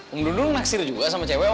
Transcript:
om dulu naksir juga sama cewek om